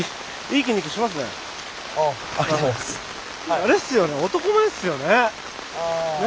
あれっすよね男前っすよね。ね。